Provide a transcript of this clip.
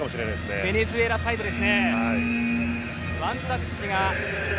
ベネズエラサイドです。